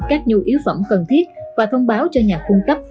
các nhu yếu phẩm cần thiết và thông báo cho nhà cung cấp